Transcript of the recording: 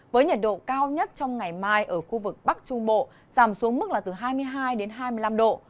với nhiệt độ cao nhất trong ngày mai ở khu vực bắc trung bộ giảm xuống mức là từ hai mươi hai đến hai mươi năm độ